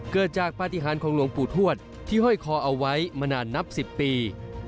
เกิดจากปฏิหารของหลวงปู่ทวดที่ห้อยคอเอาไว้มานานนับ๑๐ปี